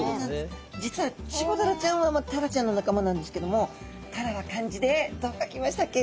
実はチゴダラちゃんはタラちゃんの仲間なんですけどもタラは漢字でどう書きましたっけ？